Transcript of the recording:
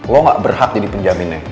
lo gak berhak jadi penjaminnya